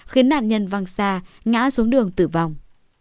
khiến nạn nhân văng xa ngã xuống đường tử vong